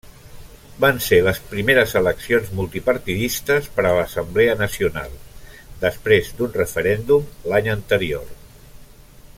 Van ser les primeres eleccions multipartidistes per a l'Assemblea Nacional, després d'un referèndum l'any anterior.